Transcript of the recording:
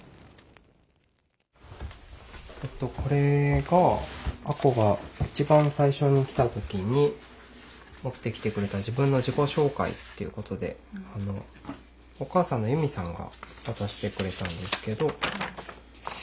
これがあこが一番最初に来た時に持ってきてくれた自分の自己紹介っていうことでお母さんのゆみさんが渡してくれたんですけど。